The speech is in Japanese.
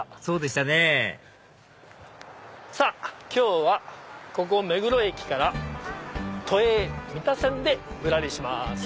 そうでしたねさぁ今日はここ目黒駅から都営三田線でぶらりします。